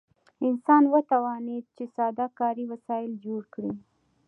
انسان وتوانید چې ساده کاري وسایل جوړ کړي.